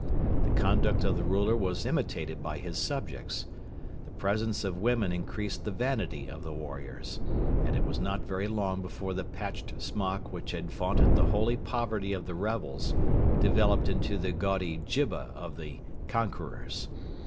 The conduct of the ruler was imitated by his subjects. The presence of women increased the vanity of the warriors: and it was not very long before the patched smock which had vaunted the holy poverty of the rebels developed into the gaudy jibba of the conquerors.